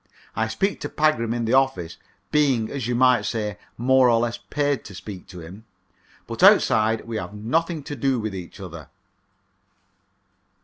I speak to Pagram in the office being, as you might say, more or less paid to speak to him. But outside we have nothing to do with each other.